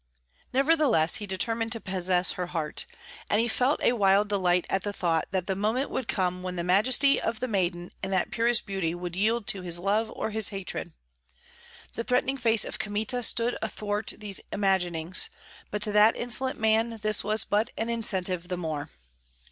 Nevertheless he determined to possess her heart, and he felt a wild delight at the thought that the moment would come when the majesty of the maiden and that purest beauty would yield to his love or his hatred. The threatening face of Kmita stood athwart these imaginings; but to that insolent man this was but an incentive the more.